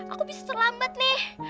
aku bisa terlambat nih